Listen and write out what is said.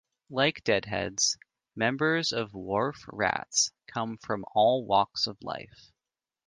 Like Deadheads, members of Wharf Rats come from all walks of life.